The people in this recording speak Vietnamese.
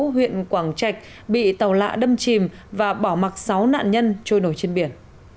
huyện quảng trạch bị tàu lạ đâm chìm và bỏ mặt sáu nạn nhân trôi nổi trên biển